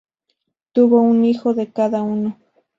Tuvo un hijo de cada uno.